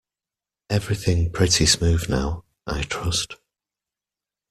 Everything pretty smooth now, I trust?